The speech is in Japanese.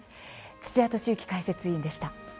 土屋敏之解説委員でした。